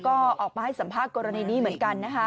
ก็ออกมาให้สัมภาษณ์กรณีนี้เหมือนกันนะคะ